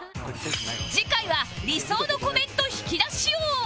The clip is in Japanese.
次回は理想のコメント引き出し王